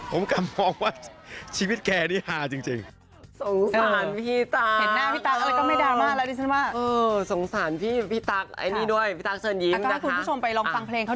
ผมกลับบอกว่าชีวิตแกนี่ฮาจริง